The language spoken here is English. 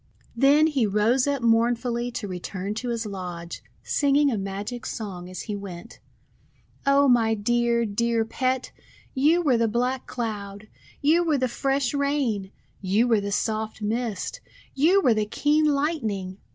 Then he rose up mournfully to return to his lodge, singing a magic song as he went: — "0 my dear, dear Pet! You were the black Cloud! You were tJie fresh Rain! You were the soft Mist ! You were the keen Lightning!